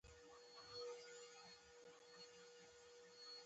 د سلمان فارسي له تخلص نه څرګندېږي.